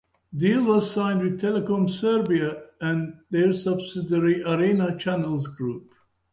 Deal was signed with Telekom Srbija and their subsidiary Arena Channels Group.